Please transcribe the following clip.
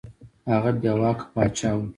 هغه بې واکه پاچا وو.